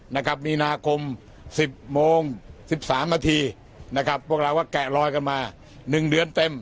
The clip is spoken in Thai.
นะครับมีนาคม๑๐โมง๑๓นาทีนะครับพวกเราว่าแกะลอยกันมา๑เดือนเต็ม